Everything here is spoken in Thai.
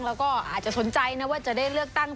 แล้วก็อาจจะสนใจนะว่าจะได้เลือกตั้ง